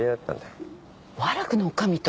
和楽の女将と？